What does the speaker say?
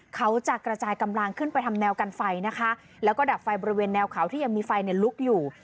เขาจะกระจายกำลังขึ้นไปทำแนวกันไฟนะคะแล้วก็ดับไฟบริเวณแนวเขาที่ยังมีไฟลุกอยู่